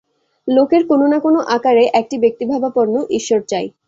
লোকের কোন না কোন আকারে একটি ব্যক্তিভাবাপন্ন ঈশ্বর চাই।